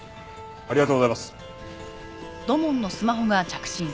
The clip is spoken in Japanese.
ありがとうございます。